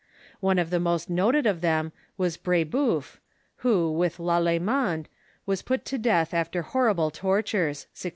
One of the most noted of them was Brebeuf, who, with Lalemant, Avas put to death after horrible tortures (1649).